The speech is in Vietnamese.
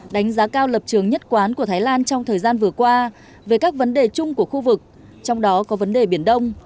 đánh giá cao lập trường nhất quán của thái lan trong thời gian vừa qua về các vấn đề chung của khu vực trong đó có vấn đề biển đông